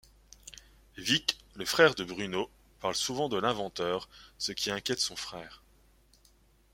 Vick, le frère de Bruno, parle souvent de l'Inventeur, ce qui inquiète son frère.